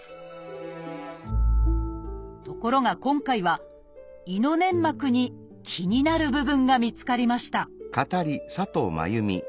ところが今回は胃の粘膜に気になる部分が見つかりました